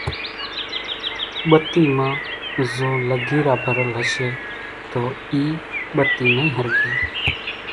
ٻتي مان زو لگيرا ڀرل ھشي تو اِي ٻتي نئي ۿرڳي